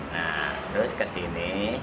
nah terus ke sini